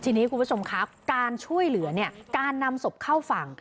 ทีนี้คุณผู้ชมคะการช่วยเหลือเนี่ยการนำศพเข้าฝั่ง